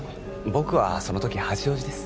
僕はその時八王子です